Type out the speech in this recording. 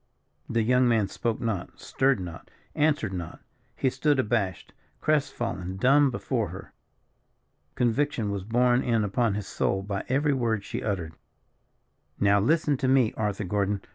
The young man spoke not, stirred not, answered not. He stood abashed, crest fallen, dumb before her. Conviction was borne in upon his soul by every word she uttered. "Now listen to me, Arthur Gordon.